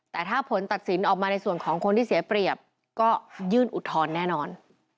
แต่ถ้าผลตัดสินออกมาในส่วนของคนที่เสียเปรียบก็ยื่นอุทธรณ์แน่นอน